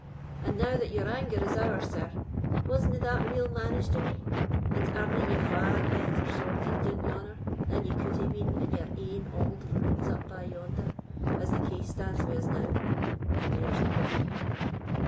And now that your anger is ower, sir, wasna that weel managed o' me, and arena ye far better sorted doun yonder than ye could hae been in your ain auld ruins up bye yonder, as the case stands wi' us now? the mair's the pity!"